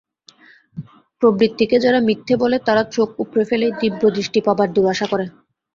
প্রবৃত্তিকে যারা মিথ্যে বলে তারা চোখ উপড়ে ফেলেই দিব্যদৃষ্টি পাবার দুরাশা করে।